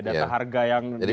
data harga yang di negara lain